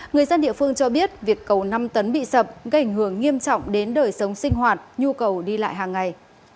người dân địa phương cho biết việc cầu năm tấn bị sập gây ảnh hưởng nghiêm trọng đến đời sống sinh hoạt nhu cầu đi lại hàng ngày